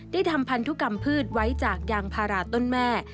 ทำพันธุกรรมพืชไว้จากยางพาราต้นแม่